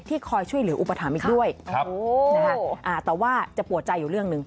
คอยช่วยเหลืออุปถัมภ์อีกด้วยแต่ว่าจะปวดใจอยู่เรื่องหนึ่ง